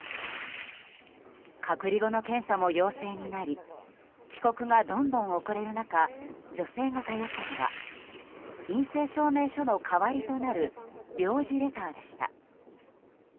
隔離後の検査も陽性になり帰国がどんどん遅れる中女性が頼ったのは陰性証明書の代わりとなる領事レターでした。